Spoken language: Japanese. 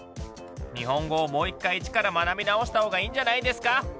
日本語をもう一回一から学び直した方がいいんじゃないですか！